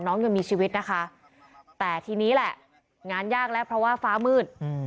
ยังมีชีวิตนะคะแต่ทีนี้แหละงานยากแล้วเพราะว่าฟ้ามืด